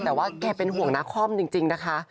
แต่ว่าแกเป็นห่วงนาคอมจริงนะคะ